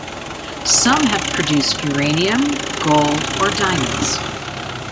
Some have produced uranium, gold or diamonds.